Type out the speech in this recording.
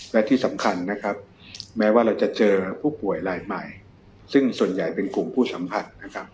และที่สำคัญแม้ว่าจะเจอผู้ป่วยรายใหม่ซึ่งส่วนใหญ่เป็นกลุ่มผู้สัมผัส